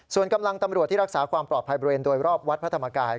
ส่วนกำลังตำรวจที่รักษาความปลอดภัยบริเวณโดยรอบวัดพระธรรมกาย